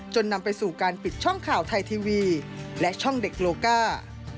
นำไปสู่การปิดช่องข่าวไทยทีวีและช่องเด็กโลก้า